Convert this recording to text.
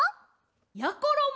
やころも！